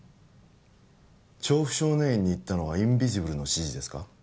調布少年院に行ったのはインビジブルの指示ですか？